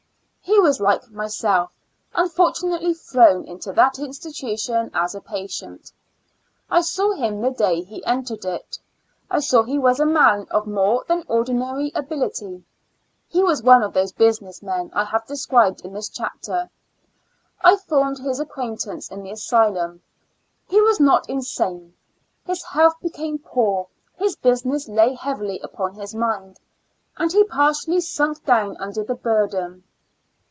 He was, like myself, unfortunately thrown into that institution as a patient. I saw him the day he entered it. I saw he was a man of more than ordinary ability ; he was one of those business men I have described in this chapter ; I formed his ac J.Y A L UNA TIC A STL UM. W\ quaintance in the asylum ; he was not in sane, his health became poor ; his business lay heavily upon his mind, and he partially sunk down under the burthen.